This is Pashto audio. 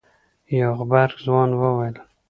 يو غبرګ ځوان وويل.